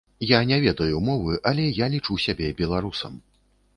Я не ведаю мовы, але я лічу сябе беларусам.